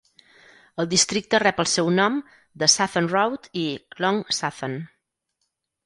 El districte rep el seu nom de Sathon Road i Khlong Sathon.